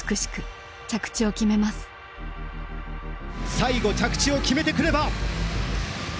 最後着地を決めてくれば。